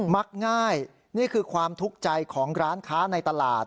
มักง่ายนี่คือความทุกข์ใจของร้านค้าในตลาด